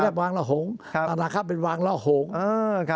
นี่แหละวางระหงค์อนาคาเป็นวางระหงค์